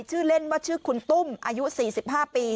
เล่นว่าชื่อคุณตุ้มอายุ๔๕ปี